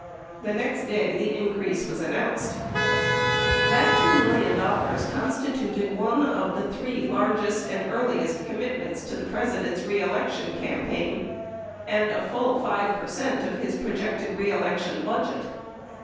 The next day the increase was announced. That $2 million constituted one of the three largest and earliest commitments to the President's reelection campaign and a full 5 per cent. of his projected reelection budget.